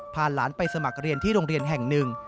พาหลานไปสมัครเรียนที่โรงเรียนแห่งหนึ่ง